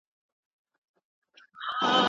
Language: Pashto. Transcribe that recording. ته وا کوچو سره ګډ شول ګلابونه